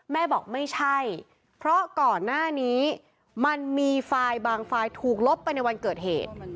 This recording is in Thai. แม่บอกไม่ใช่เพราะก่อนหน้านี้มันมีไฟล์บางไฟล์ถูกลบไปในวันเกิดเหตุ